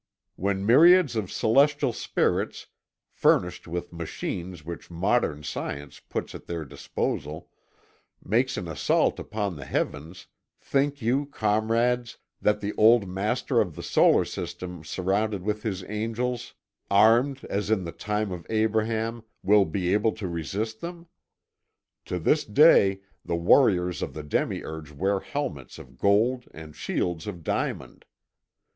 When myriads of celestial spirits, furnished with machines which modern science puts at their disposal, make an assault upon the heavens, think you, comrades, that the old master of the solar system surrounded with his angels, armed as in the time of Abraham, will be able to resist them? To this day the warriors of the demiurge wear helmets of gold and shields of diamond.